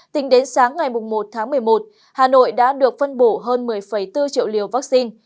tính đến sáng ngày một tháng một mươi một hà nội đã được phân bổ hơn một mươi bốn triệu liều vaccine